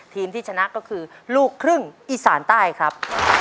ทีมที่ชนะก็คือลูกครึ่งอีสานใต้ครับ